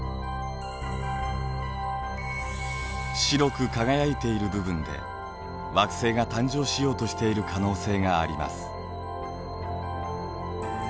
白く輝いている部分で惑星が誕生しようとしている可能性があります。